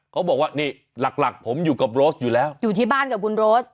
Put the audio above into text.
เขาบอกว่านี่หลักหลักผมอยู่กับโรสอยู่แล้วอยู่ที่บ้านกับคุณโรส